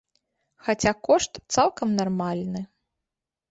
Хаця кошт цалкам нармальны.